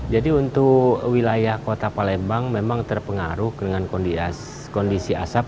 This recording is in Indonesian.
jadi untuk wilayah kota palembang memang terpengaruh dengan kondisi asap